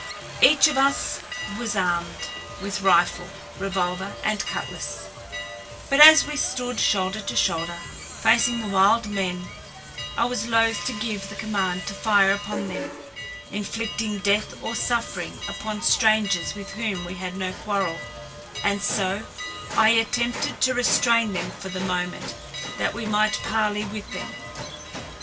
Each of us was armed with rifle, revolver, and cutlass, but as we stood shoulder to shoulder facing the wild men I was loath to give the command to fire upon them, inflicting death or suffering upon strangers with whom we had no quarrel, and so I attempted to restrain them for the moment that we might parley with them.